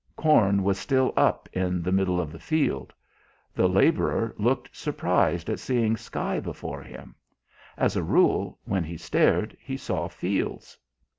Corn was still "up" in the middle of the field. The labourer looked surprised at seeing sky before him; as a rule when he stared he saw fields.